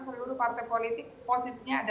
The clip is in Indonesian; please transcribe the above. seluruh partai politik posisinya